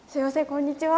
こんにちは。